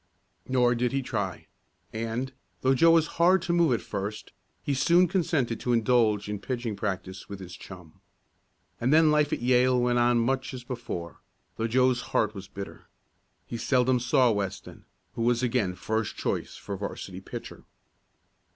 Nor did he try, and, though Joe was hard to move at first, he soon consented to indulge in pitching practice with his chum. And then life at Yale went on much as before, though Joe's heart was bitter. He seldom saw Weston, who was again first choice for 'varsity pitcher.